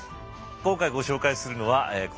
今回ご紹介するのはこの方。